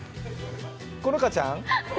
好花ちゃん。